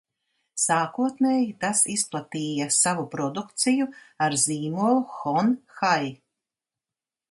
Sākotnēji tas izplatīja savu produkciju ar zīmolu Hon Hai.